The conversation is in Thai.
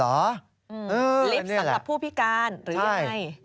ลิฟต์สำหรับผู้พิการหรือยังไง